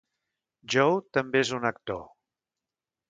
Joe també és un actor.